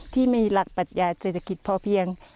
ที่มีหลักปัญญาเศรษฐกิจพอเพียง